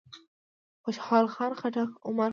خوشحال خان خټک، عمر خيام،